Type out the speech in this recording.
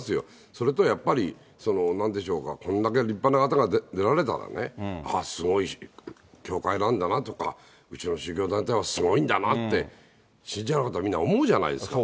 それとやっぱり、なんでしょうか、こんだけ立派な方が出られたらね、あー、すごい教会なんだなとか、うちの宗教団体はすごいんだなって、信者の方、みんな思うじゃないですか。